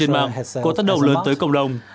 nó kết đầu những tình cảm cầm hận